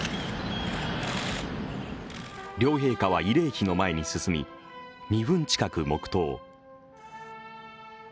両陛下は慰霊碑の前に進み、２分近く黙とう。